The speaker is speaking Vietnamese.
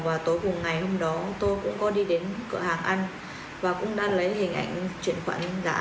và tối cùng ngày hôm đó tôi cũng có đi đến cửa hàng ăn và cũng đã lấy hình ảnh chuyển khoản giả